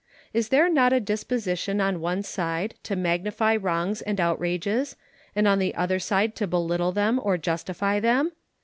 Is there not a disposition on one side to magnify wrongs and outrages, and on the other side to belittle them or justify them?